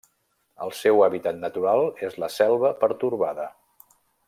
El seu hàbitat natural és la selva pertorbada.